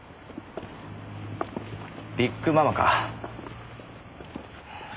ビッグママか。